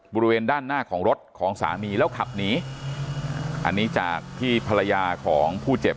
บริเวณด้านหน้าของรถของสามีแล้วขับหนีอันนี้จากที่ภรรยาของผู้เจ็บ